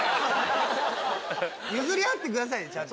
譲り合ってくださいちゃんと。